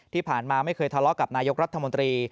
ที่ผ่านมาไม่เคยทะเลาะกับนายกรัฐมนตรี